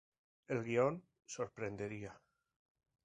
El guion sorprendería.